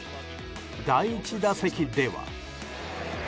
第１打席では。